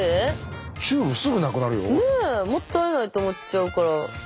もったいないと思っちゃうから。